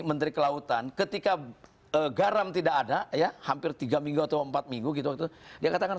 menteri kelautan ketika garam tidak ada ya hampir tiga minggu atau empat minggu gitu waktu dia katakan